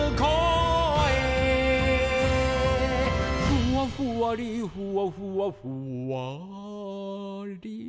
「ふわふわりふわふわふわり」